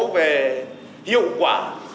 về hiệu quả